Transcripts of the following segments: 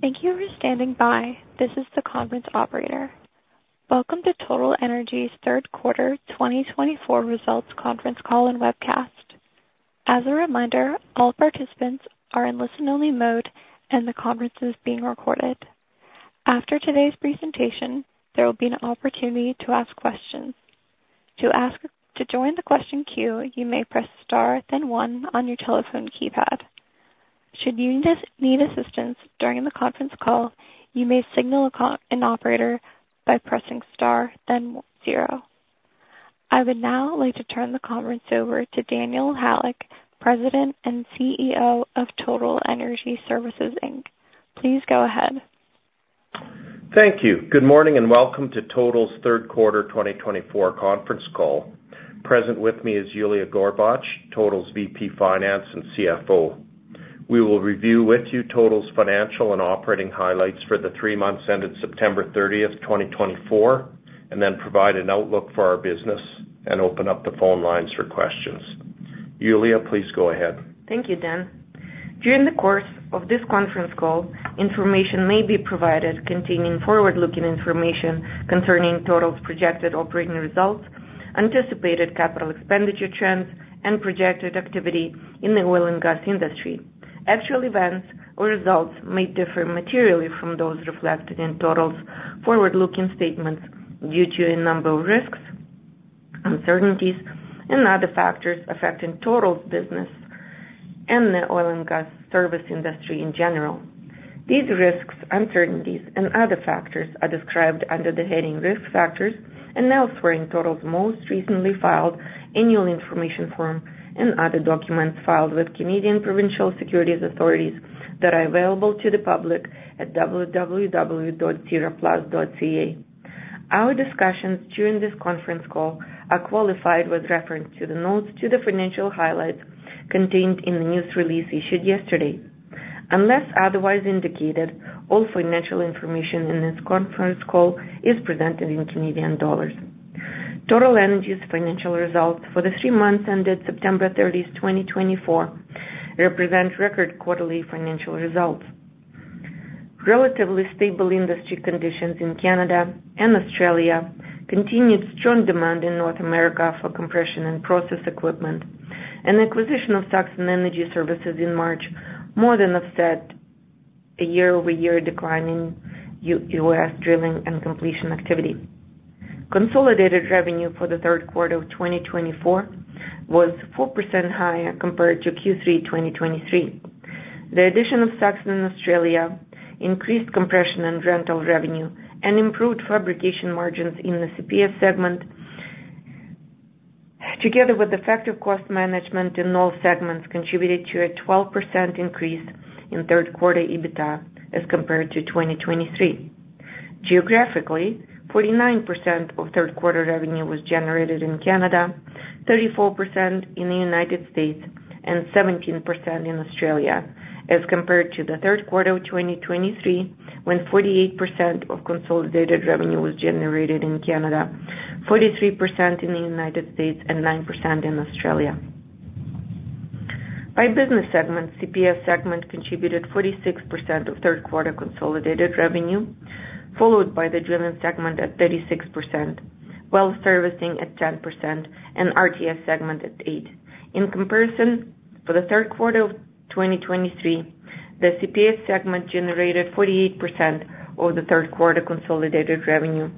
Thank you for standing by, This is the conference operator. Welcome to Total Energy's third quarter 2024 results conference call and webcast. As a reminder, all participants are in listen-only mode, and the conference is being recorded. After today's presentation, there will be an opportunity to ask questions. To join the question queue, you may press star, then one on your telephone keypad. Should you need assistance during the conference call, you may signal an operator by pressing star, then zero. I would now like to turn the conference over to Daniel Halyk, President and CEO of Total Energy Services, Inc. Please go ahead. Thank you. Good morning and welcome to Total's third quarter 2024 conference call. Present with me is Yuliya Gorbach, Total's VP Finance and CFO. We will review with you Total's financial and operating highlights for the three months ended September 30th, 2024, and then provide an outlook for our business and open up the phone lines for questions. Yuliya, please go ahead. Thank you, Dan. During the course of this conference call, information may be provided containing forward-looking information concerning Total's projected operating results, anticipated capital expenditure trends, and projected activity in the oil and gas industry. Actual events or results may differ materially from those reflected in Total's forward-looking statements due to a number of risks, uncertainties, and other factors affecting Total's business and the oil and gas service industry in general. These risks, uncertainties, and other factors are described under the heading "Risk Factors" and elsewhere in Total's most recently filed annual information form and other documents filed with Canadian Provincial Securities Authorities that are available to the public at www.sedarplus.ca. Our discussions during this conference call are qualified with reference to the notes to the financial highlights contained in the news release issued yesterday. Unless otherwise indicated, all financial information in this conference call is presented in Canadian dollars. Total Energy's financial results for the three months ended September 30th, 2024, represent record quarterly financial results. Relatively stable industry conditions in Canada and Australia, continued strong demand in North America for compression and process equipment, and acquisition of Saxon Energy Services in March more than offset a year-over-year decline in U.S. drilling and completion activity. Consolidated revenue for the third quarter of 2024 was 4% higher compared to Q3 2023. The addition of Saxon in Australia increased compression and rental revenue and improved fabrication margins in the CPS segment. Together with effective cost management in all segments, it contributed to a 12% increase in third-quarter EBITDA as compared to 2023. Geographically, 49% of third-quarter revenue was generated in Canada, 34% in the United States, and 17% in Australia, as compared to the third quarter of 2023, when 48% of consolidated revenue was generated in Canada, 43% in the United States, and 9% in Australia. By business segment, the CPS segment contributed 46% of third-quarter consolidated revenue, followed by the drilling segment at 36%, well servicing at 10%, and RTS segment at 8%. In comparison, for the third quarter of 2023, the CPS segment generated 48% of the third-quarter consolidated revenue,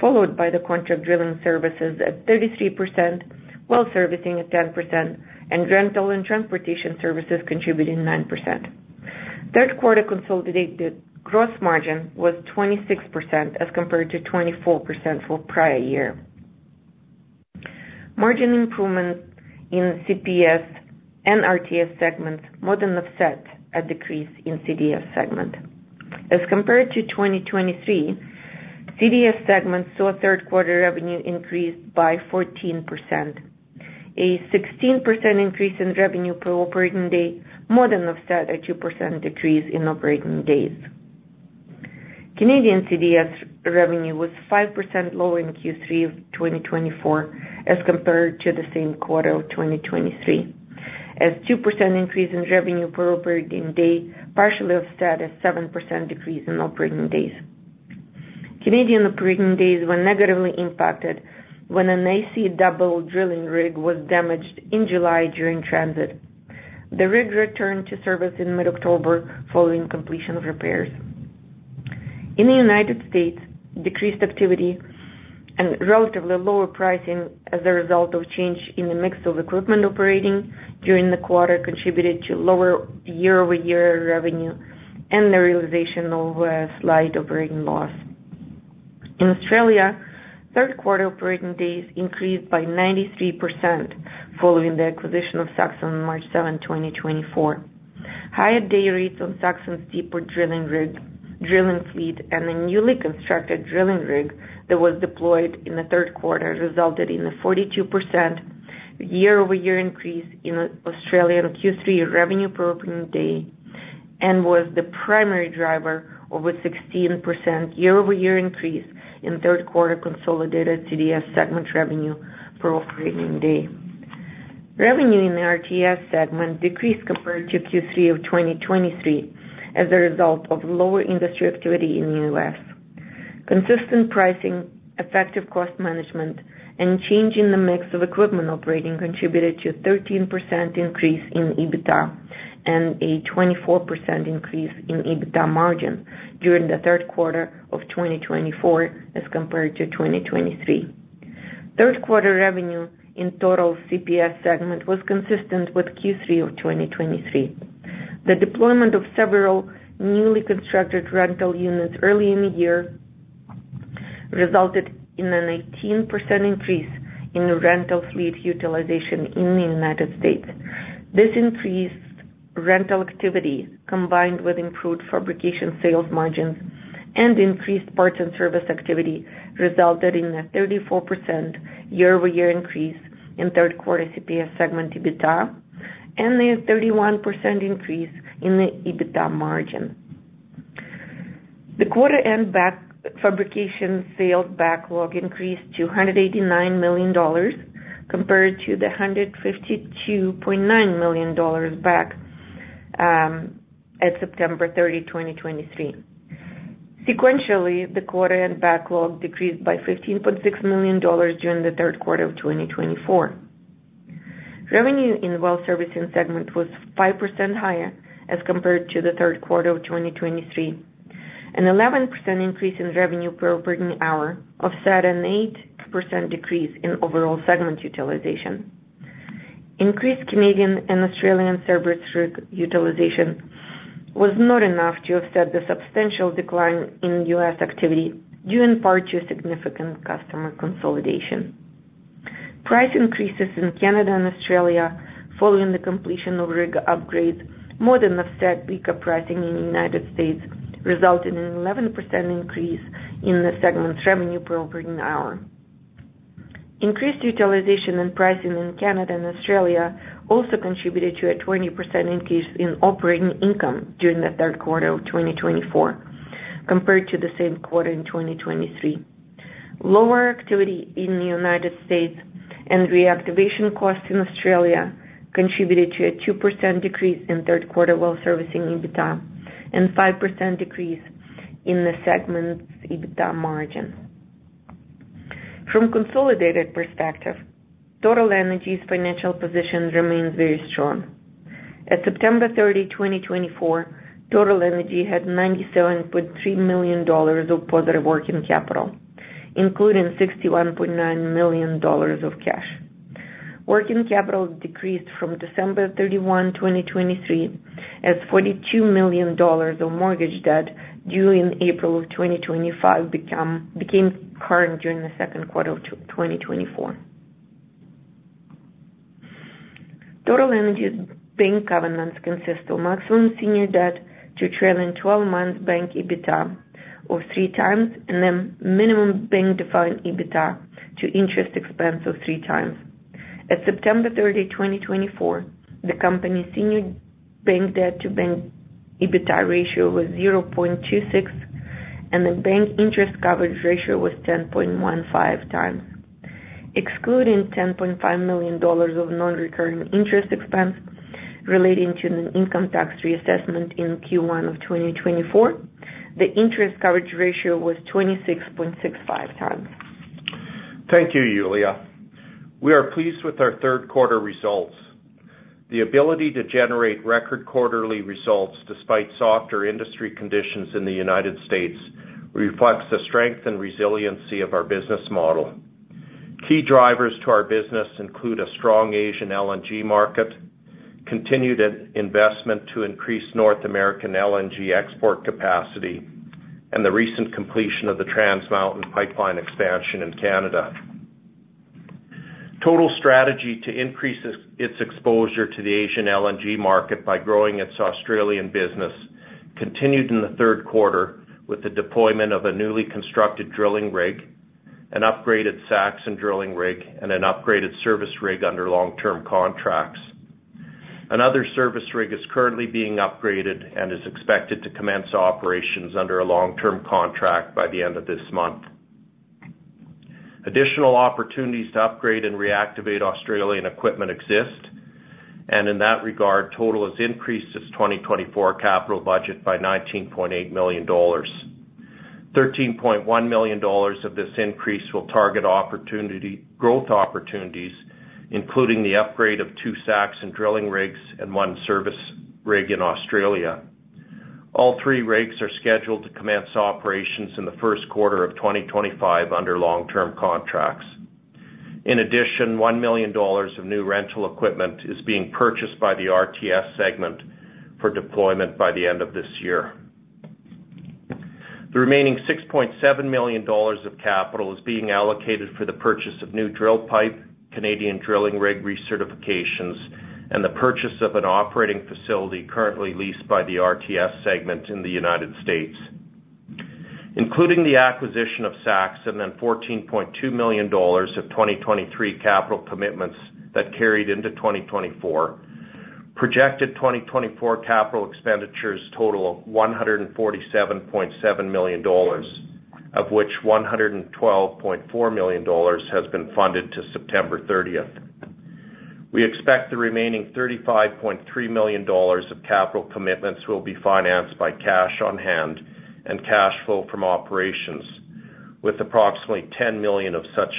followed by the contract drilling services at 33%, well servicing at 10%, and rental and transportation services contributing 9%. Third-quarter consolidated gross margin was 26% as compared to 24% for the prior year. Margin improvement in CPS and RTS segments more than offset a decrease in CDS segment. As compared to 2023, CDS segment saw third-quarter revenue increase by 14%, a 16% increase in revenue per operating day, more than offset a 2% decrease in operating days. Canadian CDS revenue was 5% lower in Q3 of 2024 as compared to the same quarter of 2023, as a 2% increase in revenue per operating day partially offset a 7% decrease in operating days. Canadian operating days were negatively impacted when an AC double drilling rig was damaged in July during transit. The rig returned to service in mid-October following completion of repairs. In the United States, decreased activity and relatively lower pricing as a result of change in the mix of equipment operating during the quarter contributed to lower year-over-year revenue and the realization of a slight operating loss. In Australia, third-quarter operating days increased by 93% following the acquisition of Saxon on March 7, 2024. Higher day rates on Saxon's deeper drilling rig, drilling fleet, and a newly constructed drilling rig that was deployed in the third quarter resulted in a 42% year-over-year increase in Australian Q3 revenue per operating day and was the primary driver of a 16% year-over-year increase in third-quarter consolidated CDS segment revenue per operating day. Revenue in the RTS segment decreased compared to Q3 of 2023 as a result of lower industry activity in the U.S. Consistent pricing, effective cost management, and change in the mix of equipment operating contributed to a 13% increase in EBITDA and a 24% increase in EBITDA margin during the third quarter of 2024 as compared to 2023. Third-quarter revenue in Total's CPS segment was consistent with Q3 of 2023. The deployment of several newly constructed rental units early in the year resulted in a 19% increase in rental fleet utilization in the United States. This increased rental activity, combined with improved fabrication sales margins and increased parts and service activity, resulted in a 34% year-over-year increase in third-quarter CPS segment EBITDA and a 31% increase in the EBITDA margin. The quarter-end fabrication sales backlog increased to 189 million dollars compared to the 152.9 million dollars backlog at September 30, 2023. Sequentially, the quarter-end backlog decreased by 15.6 million dollars during the third quarter of 2024. Revenue in well servicing segment was 5% higher as compared to the third quarter of 2023. An 11% increase in revenue per operating hour offset an 8% decrease in overall segment utilization. Increased Canadian and Australian service rig utilization was not enough to offset the substantial decline in U.S. activity due in part to significant customer consolidation. Price increases in Canada and Australia following the completion of rig upgrades more than offset weaker pricing in the United States, resulting in an 11% increase in the segment's revenue per operating hour. Increased utilization and pricing in Canada and Australia also contributed to a 20% increase in operating income during the third quarter of 2024 compared to the same quarter in 2023. Lower activity in the United States and reactivation costs in Australia contributed to a 2% decrease in third-quarter well servicing EBITDA and a 5% decrease in the segment's EBITDA margin. From a consolidated perspective, Total Energy's financial position remains very strong. At September 30, 2024, Total Energy had 97.3 million dollars of positive working capital, including 61.9 million dollars of cash. Working capital decreased from December 31, 2023, as 42 million dollars of mortgage debt due in April of 2025 became current during the second quarter of 2024. Total Energy's bank covenants consists of maximum senior debt to trailing 12-month bank EBITDA of three times and a minimum bank-defined EBITDA to interest expense of three times. At September 30, 2024, the company's senior bank debt to bank EBITDA ratio was 0.26, and the bank interest coverage ratio was 10.15 times. Excluding $10.5 million of non-recurring interest expense relating to the income tax reassessment in Q1 of 2024, the interest coverage ratio was 26.65 times. Thank you, Yuliya. We are pleased with our third-quarter results. The ability to generate record quarterly results despite softer industry conditions in the United States reflects the strength and resiliency of our business model. Key drivers to our business include a strong Asian LNG market, continued investment to increase North American LNG export capacity, and the recent completion of the Trans Mountain pipeline expansion in Canada. Total's strategy to increase its exposure to the Asian LNG market by growing its Australian business continued in the third quarter with the deployment of a newly constructed drilling rig, an upgraded Saxon drilling rig, and an upgraded service rig under long-term contracts. Another service rig is currently being upgraded and is expected to commence operations under a long-term contract by the end of this month. Additional opportunities to upgrade and reactivate Australian equipment exist, and in that regard, Total has increased its 2024 capital budget by 19.8 million dollars. 13.1 million dollars of this increase will target growth opportunities, including the upgrade of two Saxon drilling rigs and one service rig in Australia. All three rigs are scheduled to commence operations in the first quarter of 2025 under long-term contracts. In addition, 1 million dollars of new rental equipment is being purchased by the RTS segment for deployment by the end of this year. The remaining 6.7 million dollars of capital is being allocated for the purchase of new drill pipe, Canadian drilling rig recertifications, and the purchase of an operating facility currently leased by the RTS segment in the United States. Including the acquisition of Saxon and $14.2 million of 2023 capital commitments that carried into 2024, projected 2024 capital expenditures total $147.7 million, of which $112.4 million has been funded to September 30. We expect the remaining $35.3 million of capital commitments will be financed by cash on hand and cash flow from operations, with approximately $10 million of such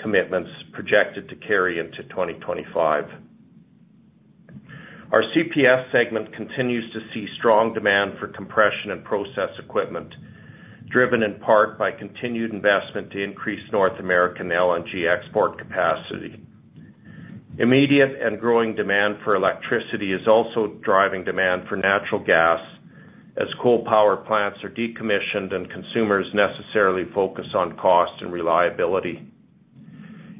commitments projected to carry into 2025. Our CPS segment continues to see strong demand for compression and process equipment, driven in part by continued investment to increase North American LNG export capacity. Immediate and growing demand for electricity is also driving demand for natural gas, as coal power plants are decommissioned and consumers necessarily focus on cost and reliability.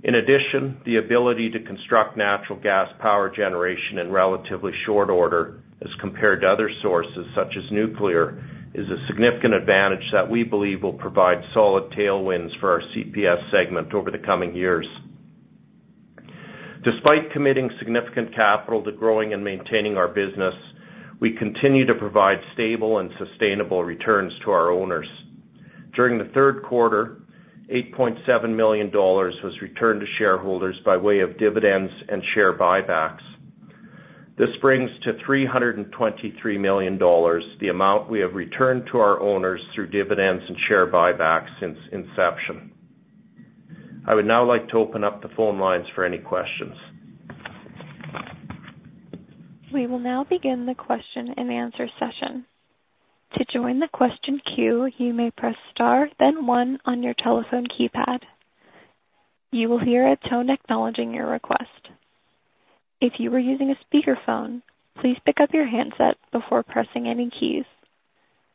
In addition, the ability to construct natural gas power generation in relatively short order as compared to other sources, such as nuclear, is a significant advantage that we believe will provide solid tailwinds for our CPS segment over the coming years. Despite committing significant capital to growing and maintaining our business, we continue to provide stable and sustainable returns to our owners. During the third quarter, 8.7 million dollars was returned to shareholders by way of dividends and share buybacks. This brings to 323 million dollars the amount we have returned to our owners through dividends and share buybacks since inception. I would now like to open up the phone lines for any questions. We will now begin the question-and-answer session. To join the question queue, you may press star, then one on your telephone keypad. You will hear a tone acknowledging your request. If you are using a speakerphone, please pick up your handset before pressing any keys.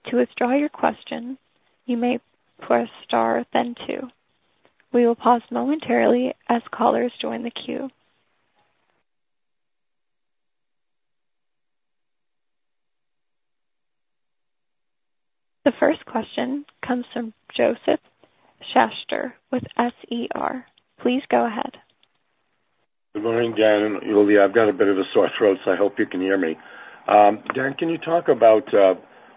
To withdraw your question, you may press star, then two. We will pause momentarily as callers join the queue. The first question comes from Josef Schachter, with SER. Please go ahead. Good morning, Dan. And Yuliya, I've got a bit of a sore throat, so I hope you can hear me. Dan, can you talk about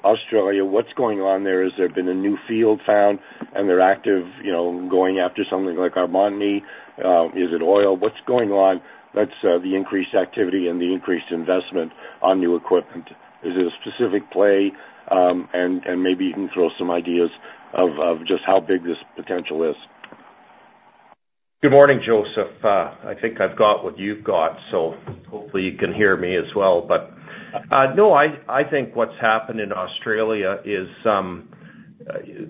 Australia? What's going on there? Has there been a new field found, and they're active, you know, going after something like antimony? Is it oil? What's going on that's the increased activity and the increased investment on new equipment? Is it a specific play? And maybe you can throw some ideas of just how big this potential is. Good morning, Josef. I think I've got what you've got, so hopefully you can hear me as well. But no, I think what's happened in Australia is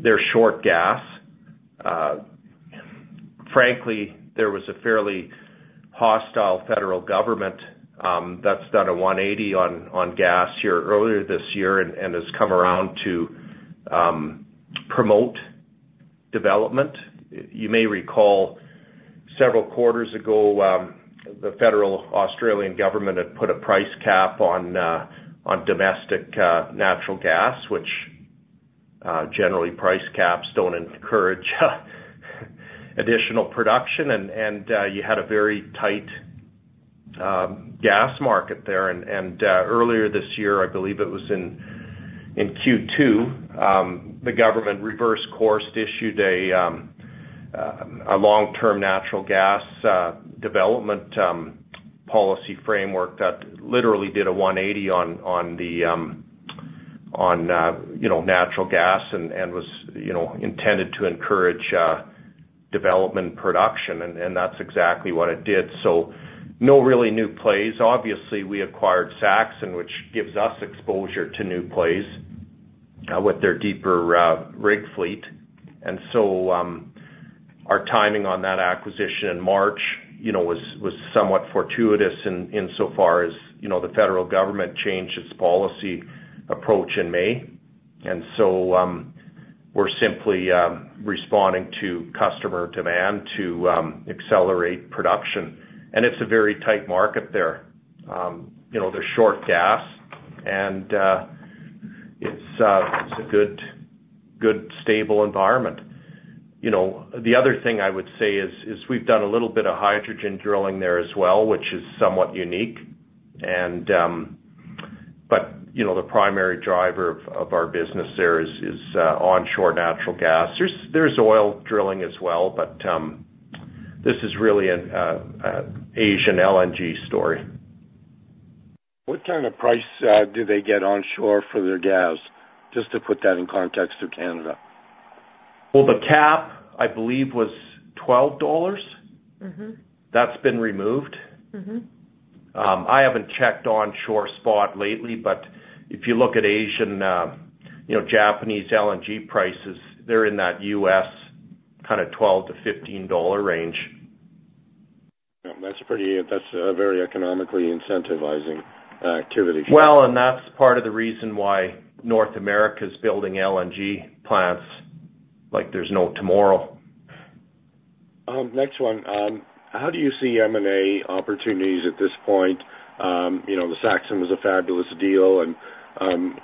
they're short gas. Frankly, there was a fairly hostile federal government that's done a 180 on gas here earlier this year and has come around to promote development. You may recall several quarters ago, the federal Australian government had put a price cap on domestic natural gas, which generally price caps don't encourage additional production, and you had a very tight gas market there. And earlier this year, I believe it was in Q2, the government reversed course to issue a long-term natural gas development policy framework that literally did a 180 on natural gas and was intended to encourage development and production, and that's exactly what it did. So no really new plays. Obviously, we acquired Saxon, which gives us exposure to new plays with their deeper rig fleet. And so our timing on that acquisition in March was somewhat fortuitous insofar as the federal government changed its policy approach in May. And so we're simply responding to customer demand to accelerate production. And it's a very tight market there. They're short gas, and it's a good, stable environment. The other thing I would say is we've done a little bit of hydrogen drilling there as well, which is somewhat unique. But the primary driver of our business there is onshore natural gas. There's oil drilling as well, but this is really an Asian LNG story. What kind of price do they get onshore for their gas, just to put that in context of Canada? The cap, I believe, was $12. That's been removed. I haven't checked onshore spot lately, but if you look at Asian, Japanese LNG prices, they're in that U.S. kind of $12-$15 range. That's a very economically incentivizing activity. Well, and that's part of the reason why North America is building LNG plants. There's no tomorrow. Next one. How do you see M&A opportunities at this point? The Saxon was a fabulous deal, and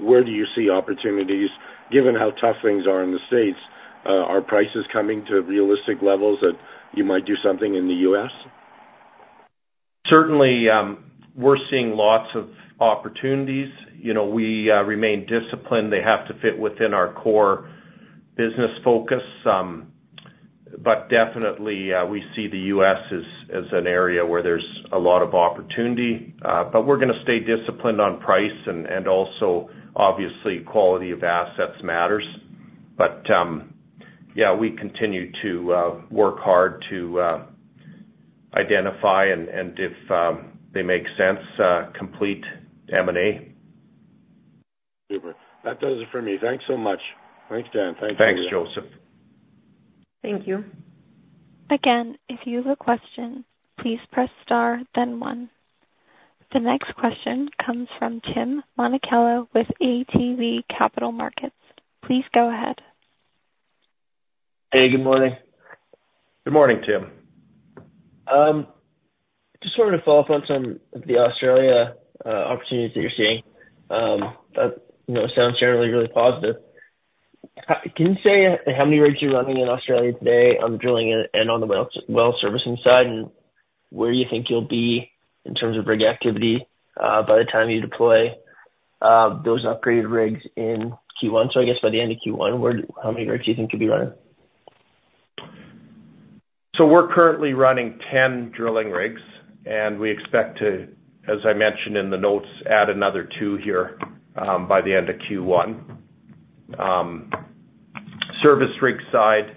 where do you see opportunities, given how tough things are in the States? Are prices coming to realistic levels that you might do something in the U.S.? Certainly, we're seeing lots of opportunities. We remain disciplined. They have to fit within our core business focus. But definitely, we see the U.S. as an area where there's a lot of opportunity. But we're going to stay disciplined on price, and also, obviously, quality of assets matters. But yeah, we continue to work hard to identify and, if they make sense, complete M&A. Super. That does it for me. Thanks so much. Thanks, Dan. Thanks, Daniel. Thanks, Josef. Thank you. Again, if you have a question, please press star, then one. The next question comes from Tim Monachello with ATB Capital Markets. Please go ahead. Hey, good morning. Good morning, Tim. I just wanted to follow up on some of the Australia opportunities that you're seeing. That sounds generally really positive. Can you say how many rigs you're running in Australia today on the drilling and on the well servicing side, and where you think you'll be in terms of rig activity by the time you deploy those upgraded rigs in Q1? So I guess by the end of Q1, how many rigs do you think you'll be running? We're currently running 10 drilling rigs, and we expect to, as I mentioned in the notes, add another two here by the end of Q1. On the service rig side,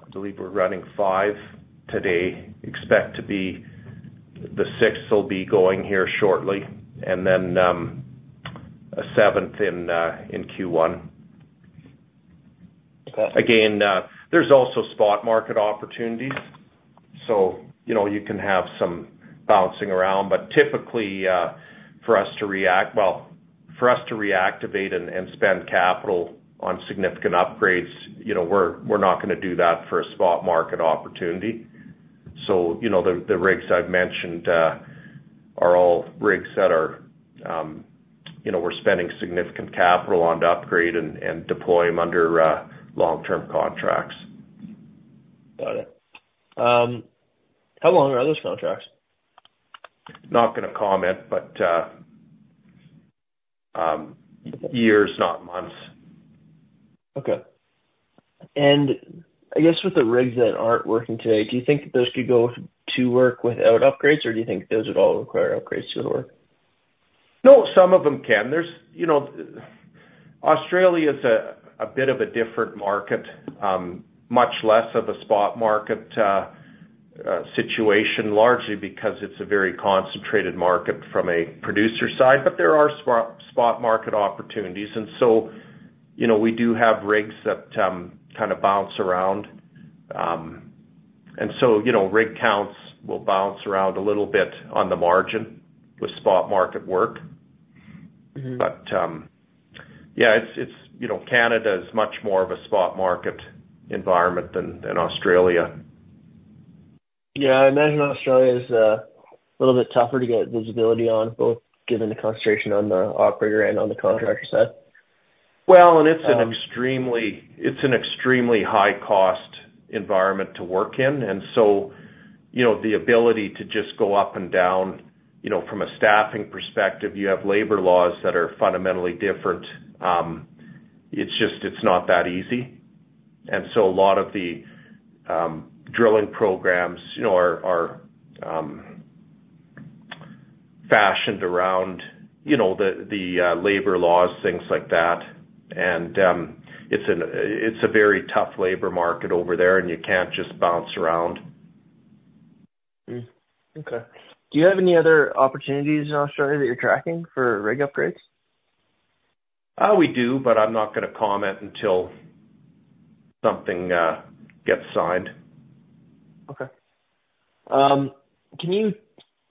I believe we're running five today. The sixth will be going here shortly, and then a seventh in Q1. Again, there's also spot market opportunities, so you can have some bouncing around. But typically, for us to reactivate and spend capital on significant upgrades, we're not going to do that for a spot market opportunity. The rigs I've mentioned are all rigs that we're spending significant capital on to upgrade and deploy them under long-term contracts. Got it. How long are those contracts? Not going to comment, but years, not months. Okay, and I guess with the rigs that aren't working today, do you think those could go to work without upgrades, or do you think those would all require upgrades to go to work? No, some of them can. Australia is a bit of a different market, much less of a spot market situation, largely because it's a very concentrated market from a producer side, but there are spot market opportunities. And so we do have rigs that kind of bounce around. And so rig counts will bounce around a little bit on the margin with spot market work. But yeah, Canada is much more of a spot market environment than Australia. Yeah, I imagine Australia is a little bit tougher to get visibility on, both given the concentration on the operator and on the contractor side. Well, and it's an extremely high-cost environment to work in. And so the ability to just go up and down, from a staffing perspective, you have labor laws that are fundamentally different. It's just not that easy. And so a lot of the drilling programs are fashioned around the labor laws, things like that. And it's a very tough labor market over there, and you can't just bounce around. Okay. Do you have any other opportunities in Australia that you're tracking for rig upgrades? We do, but I'm not going to comment until something gets signed. Okay. Can you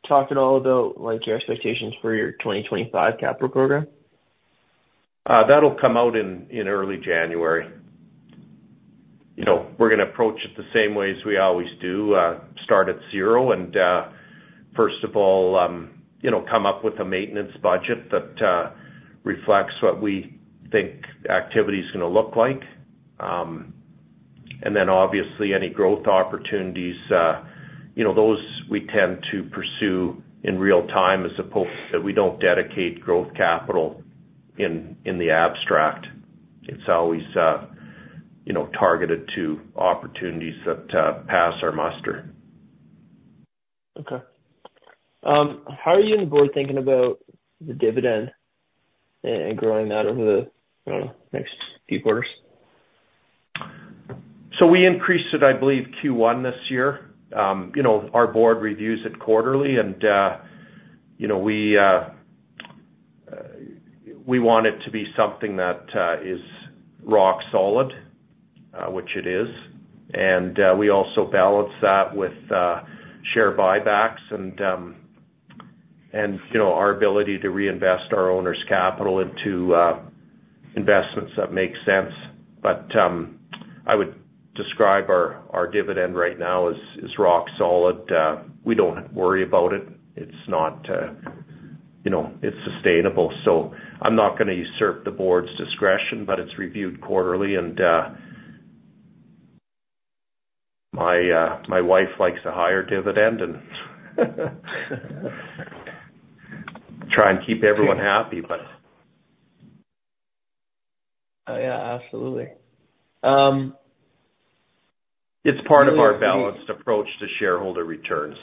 talk at all about your expectations for your 2025 capital program? That'll come out in early January. We're going to approach it the same way as we always do, start at zero, and first of all, come up with a maintenance budget that reflects what we think activity is going to look like, and then, obviously, any growth opportunities, those we tend to pursue in real time as opposed to we don't dedicate growth capital in the abstract. It's always targeted to opportunities that pass our muster. Okay. How are you on board thinking about the dividend and growing that over the next few quarters? So we increased it, I believe, Q1 this year. Our board reviews it quarterly, and we want it to be something that is rock solid, which it is. And we also balance that with share buybacks and our ability to reinvest our owner's capital into investments that make sense. But I would describe our dividend right now as rock solid. We don't worry about it. It's not sustainable. So I'm not going to usurp the board's discretion, but it's reviewed quarterly, and my wife likes a higher dividend and try and keep everyone happy, but. Yeah, absolutely. It's part of our balanced approach to shareholder returns.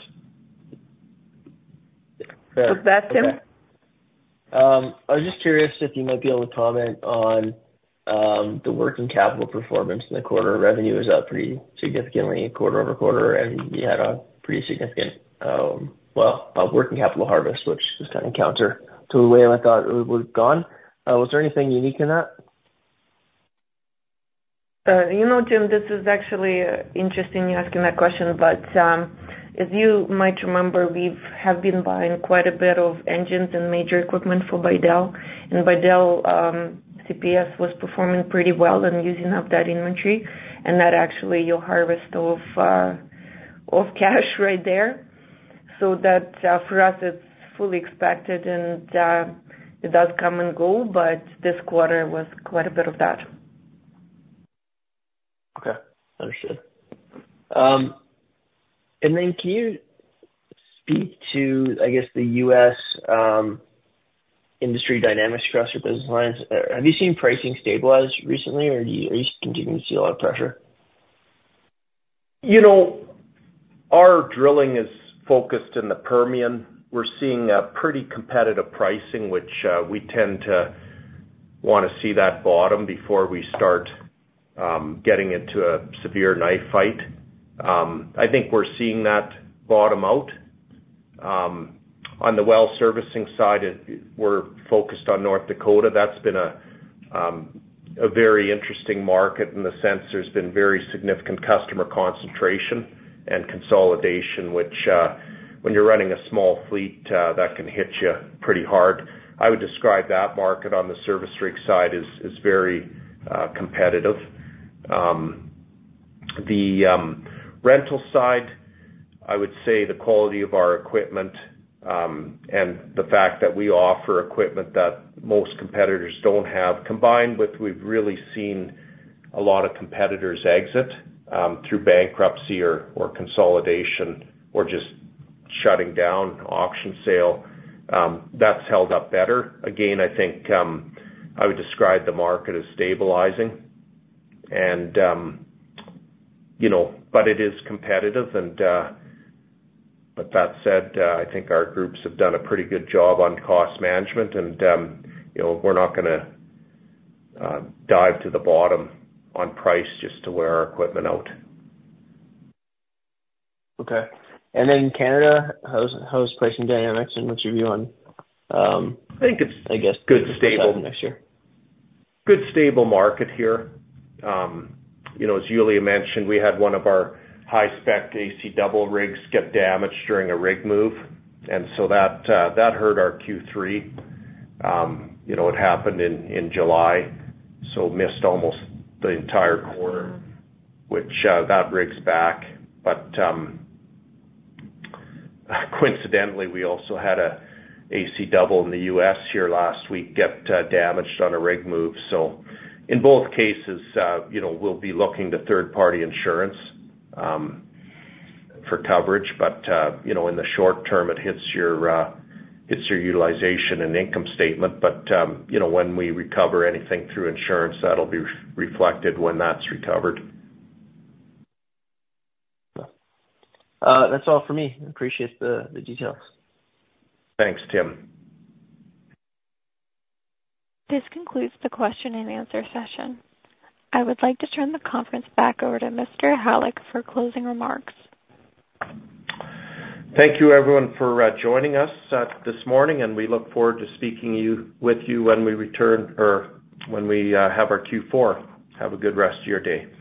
I was just curious if you might be able to comment on the working capital performance in the quarter. Revenue is up pretty significantly quarter over quarter, and you had a pretty significant, well, working capital harvest, which was kind of counter to the way I thought it would have gone. Was there anything unique in that? You know, Tim, this is actually interesting, you asking that question, but as you might remember, we have been buying quite a bit of engines and major equipment for Bidell. And Bidell CPS was performing pretty well and using up that inventory. And that's actually your harvest of cash right there. So for us, it's fully expected, and it does come and go, but this quarter was quite a bit of that. Okay. Understood. And then can you speak to, I guess, the U.S. industry dynamics across your business lines? Have you seen pricing stabilize recently, or are you continuing to see a lot of pressure? Our drilling is focused in the Permian. We're seeing pretty competitive pricing, which we tend to want to see that bottom before we start getting into a severe knife fight. I think we're seeing that bottom out. On the well servicing side, we're focused on North Dakota. That's been a very interesting market in the sense there's been very significant customer concentration and consolidation, which when you're running a small fleet, that can hit you pretty hard. I would describe that market on the service rig side as very competitive. The rental side, I would say, the quality of our equipment and the fact that we offer equipment that most competitors don't have, combined with we've really seen a lot of competitors exit through bankruptcy or consolidation or just shutting down, auction sale, that's held up better. Again, I think I would describe the market as stabilizing. But it is competitive. But that said, I think our groups have done a pretty good job on cost management, and we're not going to dive to the bottom on price just to wear our equipment out. Okay. And then, Canada, how is pricing dynamics and what's your view on, I guess, good stable next year? Good stable market here. As Yuliya mentioned, we had one of our high-spec AC double rigs get damaged during a rig move, and so that hurt our Q3. It happened in July, so missed almost the entire quarter, which got rigs back. But coincidentally, we also had an AC double in the U.S. here last week get damaged on a rig move, so in both cases, we'll be looking to third-party insurance for coverage. But in the short term, it hits your utilization and income statement. But when we recover anything through insurance, that'll be reflected when that's recovered. That's all for me. Appreciate the details. Thanks, Tim. This concludes the question and answer session. I would like to turn the conference back over to Mr. Halyk for closing remarks. Thank you, everyone, for joining us this morning, and we look forward to speaking with you when we return or when we have our Q4. Have a good rest of your day.